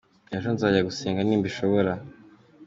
Ejo nzajya gusenga nimbishobora.